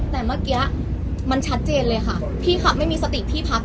แต่เมื่อกี้มันชัดเจนเลยค่ะพี่ขับไม่มีสติพี่พัก